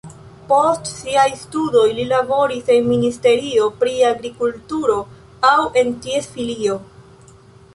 Post siaj studoj li laboris en ministerio pri agrikulturo aŭ en ties filio.